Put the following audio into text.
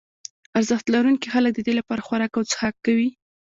ارزښت لرونکي خلک ددې لپاره خوراک او څښاک کوي.